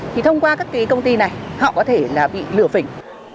thì thông qua các cái công ty này họ có thể là bị lửa phỉnh